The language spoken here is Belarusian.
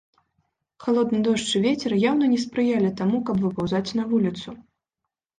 Халодны дождж і вецер яўна не спрыялі таму, каб выпаўзаць на вуліцу.